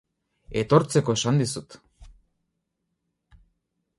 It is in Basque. Etortzeko esan dizut.